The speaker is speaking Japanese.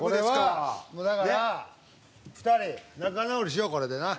これはもうだから２人仲直りしようこれでな。